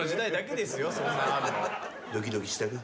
ドキドキしたか？